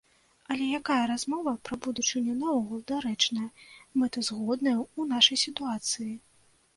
Але якая размова пра будучыню наогул дарэчная, мэтазгодная ў нашай сітуацыі?